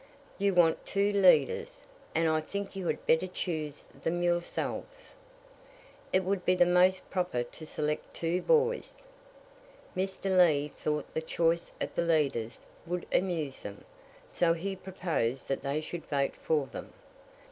"You want two leaders, and I think you had better choose them yourselves. It would be the most proper to select two boys." Mr. Lee thought the choice of the leaders would amuse them; so he proposed that they should vote for them.